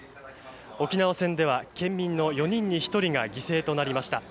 沖縄戦では県民の４人に１人が犠牲となりました。